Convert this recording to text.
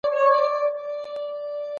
لومړۍ موخه يې څه وه؟